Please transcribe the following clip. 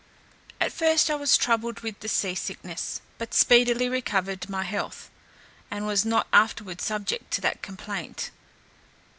At first I was troubled with the sea sickness, but speedily recovered my health, and was not afterwards subject to that complaint.